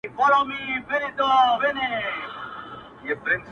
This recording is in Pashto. ورور د زور برخه ګرځي او خاموش پاتې کيږي,